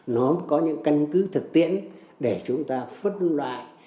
nó có những căn cứ thực tiễn để chúng ta phân loại